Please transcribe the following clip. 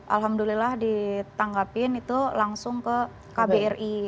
alhamdulillah ditanggapin itu langsung ke kbri